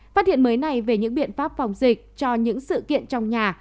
phát hiện mới này về những biện pháp phòng dịch cho những sự kiện trong nhà